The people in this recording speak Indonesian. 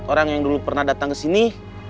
empat orang yang dulu pernah datang kesini